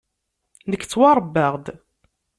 Nekk ttwaṛebbaɣ-d.